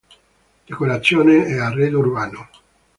Decorazione e arredo urbano